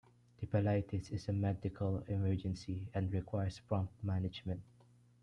Typhlitis is a medical emergency and requires prompt management.